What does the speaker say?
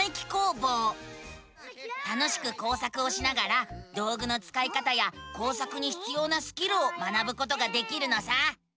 楽しく工作をしながら道ぐのつかい方や工作にひつようなスキルを学ぶことができるのさ！